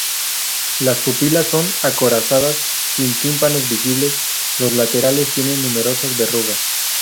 Las pupilas son acorazonadas sin tímpanos visibles, los laterales tienen numerosas verrugas.